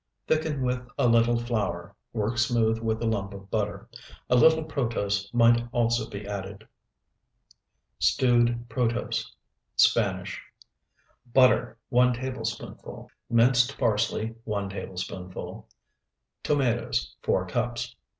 Thicken with a little flour, work smooth with a lump of butter. A little protose might also be added. STEWED PROTOSE (SPANISH) Butter, 1 tablespoonful. Minced parsley, 1 tablespoonful. Tomatoes, 4 cups.